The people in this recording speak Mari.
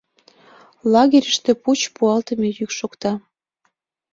Лагерьыште пуч пуалтыме йӱк шокта.